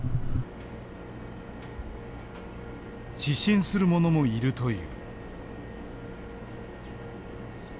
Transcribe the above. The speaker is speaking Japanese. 失神する者もいるという。